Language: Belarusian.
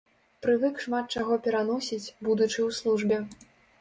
Прывык шмат чаго пераносіць, будучы ў службе.